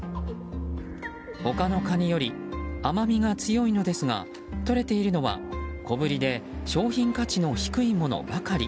他のカニより甘みが強いのですがとれているのは小ぶりで商品価値の低いものばかり。